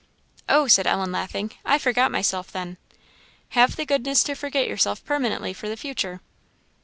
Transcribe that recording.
"Oh," said Ellen laughing, "I forgot myself then." "Have the goodness to forget yourself permanently for the future."